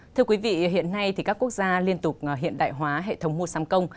thưa quý vị hiện nay các quốc gia liên tục hiện đại hóa hệ thống mua sắm công